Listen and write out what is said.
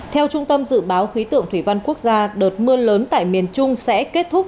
theo trung tâm dự báo khí tượng thủy văn quốc gia đợt mưa lớn tại miền trung sẽ kết thúc